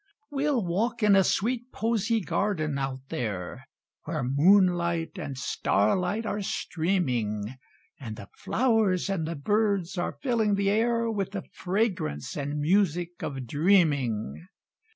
We'll walk in a sweet posy garden out there, Where moonlight and starlight are streaming, And the flowers and the birds are filling the air With the fragrance and music of dreaming.